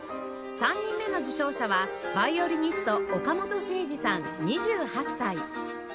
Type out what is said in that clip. ３人目の受賞者はヴァイオリニスト岡本誠司さん２８歳